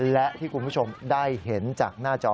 และที่คุณผู้ชมได้เห็นจากหน้าจอ